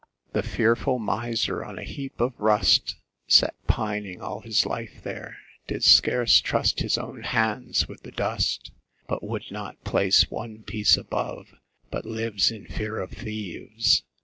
3. The fearful miser on a heap of rust Sat pining all his life there, did scarce trust His own hands with the dust, But would not place one piece above, but lives In fear of thieves.